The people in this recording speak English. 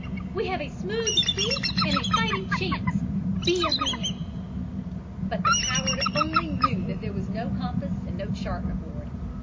We have a smooth sea and a fighting chance. Be a man." But the coward only knew that there was no compass and no chart aboard.